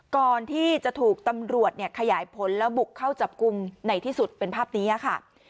ก่อนที่จะถูกตำรวจขยายผลแล้วบุกเข้าจับกลุ่มในที่สุดเป็นภาพนี้ค่ะ